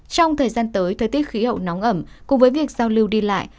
trong thời gian tới thời tiết khí hậu nóng ẩm cùng với việc giao lưu đi lại